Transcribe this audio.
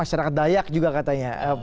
masyarakat dayak juga katanya